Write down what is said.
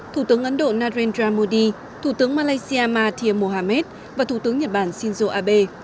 thủ tướng ấn độ narendra modi thủ tướng malaysia mathia mohamed và thủ tướng nhật bản shinzo abe